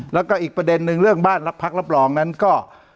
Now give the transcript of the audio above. แล้วก็อีกประเด็นนึงเรื่องบ้านรับพักรับรองนั้นก็